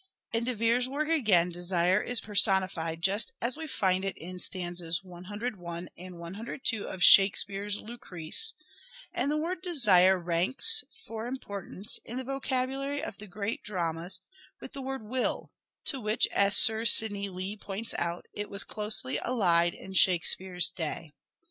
In De Vere's work, again, Desire is personified just 184 " SHAKESPEARE " IDENTIFIED as we find it in stanzas 101 and 102 of Shakespeare's " Lucrece "; and the word " desire " ranks, for importance, in the vocabulary of the great dramas, with the word " will," to which, as Sir Sidney Lee points out, it was closely allied in Shakespeare's day.